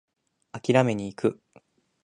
締めに行く！